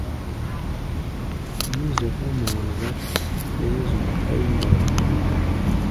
Mí zɔká mɔɔ-záp, ɓɛɛ́ zuʼm káí mbao.